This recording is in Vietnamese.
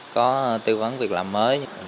có tư vấn việc làm mới